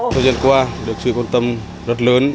thời gian qua được sự quan tâm rất lớn